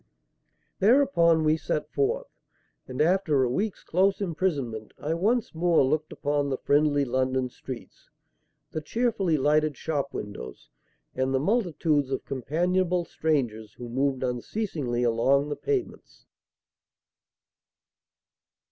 Thereupon we set forth; and, after a week's close imprisonment, I once more looked upon the friendly London streets, the cheerfully lighted shop windows and the multitudes of companionable strangers who moved unceasingly along the pavements.